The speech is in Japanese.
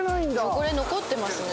汚れ残ってますね。